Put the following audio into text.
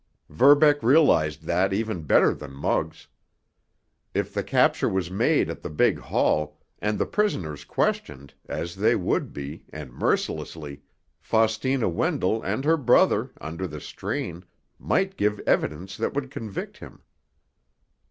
Verbeck realized that even better than Muggs. If the capture was made at the big hall, and the prisoners questioned—as they would be, and mercilessly—Faustina Wendell and her brother, under the strain, might give evidence that would convict him.